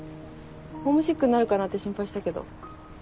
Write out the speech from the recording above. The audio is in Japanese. ホームシックになるかなって心配したけど。